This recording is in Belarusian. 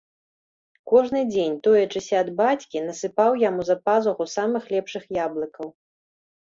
Кожны дзень, тоячыся ад бацькі, насыпаў яму за пазуху самых лепшых яблыкаў.